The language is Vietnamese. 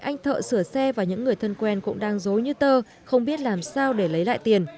anh thợ sửa xe và những người thân quen cũng đang dối như tơ không biết làm sao để lấy lại tiền